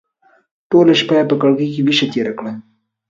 ټوله شپه یې په کړکۍ کې ویښه تېره کړه.